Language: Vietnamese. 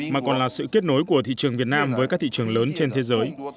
mà còn là sự kết nối của thị trường việt nam với các thị trường lớn trên thế giới